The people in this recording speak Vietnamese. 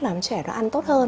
làm cho trẻ ăn tốt hơn